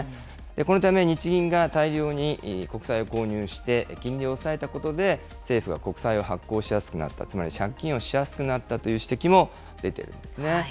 このため、日銀が大量に国債を購入して、金利を抑えたことで、政府は国債を発行しやすくなった、つまり借金をしやすくなったという指摘も出ているんですね。